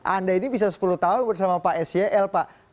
anda ini bisa sepuluh tahun bersama pak sel pak